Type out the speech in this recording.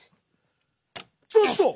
ちょっと！